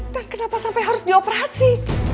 dan kenapa sampai harus dioperasi